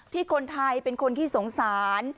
ที่คนไทยเป็นคนที่สงสาร